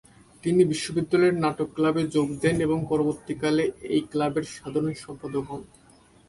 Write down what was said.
তিনি বিদ্যালয়ের নাটক ক্লাবে যোগ দেন এবং পরবর্তী কালে এই ক্লাবের সাধারণ সম্পাদক হন।